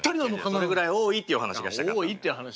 それぐらい多いっていうお話がしたかったの。